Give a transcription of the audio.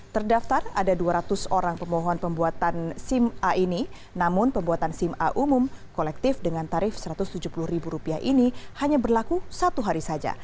terdaftar ada dua ratus orang pemohon pembuatan sim a ini namun pembuatan sim a umum kolektif dengan tarif rp satu ratus tujuh puluh ini hanya berlaku satu hari saja